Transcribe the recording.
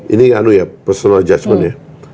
ini personal judgment ya